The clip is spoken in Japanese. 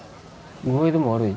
具合でも悪い？